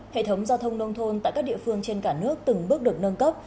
hệ thống giao thông nông thôn tại các địa phương trên cả nước từng bước được nâng cấp